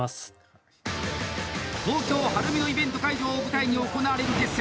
東京・晴海のイベント会場を舞台に行われる決戦。